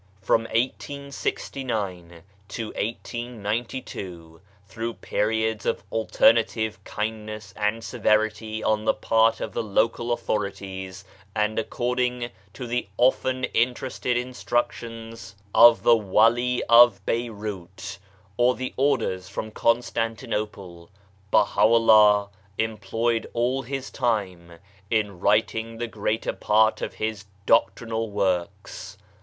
From 1869 to 1892, through periods of alternative kindness and severity on the part of the local authorities, and according to the often interested instructions of the ( AKKA 89 Wali of Beirut, or the orders from Constan tinople, Baha'u'llah employed all his time in writing the greater part of his doctrinal works.